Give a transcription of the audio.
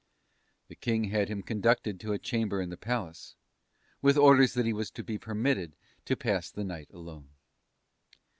"The King had him conducted to a chamber in the Palace, with orders that he was to be permitted to pass the night alone.